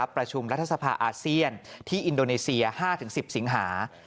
ประชุมรัฐสภาอาเซียนที่อินโดนีเซีย๕๑๐สิงหา